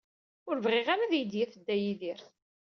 Ur bɣiɣ ara ad iyi-d-yaf Dda Yidir.